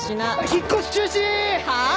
引っ越し中止！はあ！？